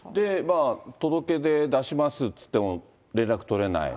届け出出しますっていっても、連絡取れない。